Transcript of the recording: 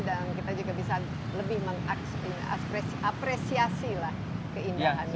dan kita juga bisa lebih mengapresiasi keindahannya